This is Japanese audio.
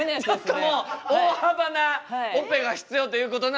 ちょっともう大幅なオペが必要ということなので。